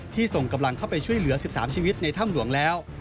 ส่งกำลังเข้าไปช่วยเหลือ๑๓ชีวิตในถ้ำหลวงแล้ว